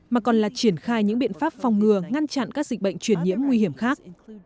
mà còn là triển khai những biện pháp phòng ngừa ngăn chặn các dịch bệnh truyền nhiễm nguy hiểm khác